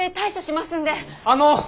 あの！